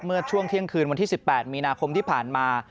เมื่อช่วงเที่ยงคืนวันที่๑๘มีนาคมที่ผ่านมา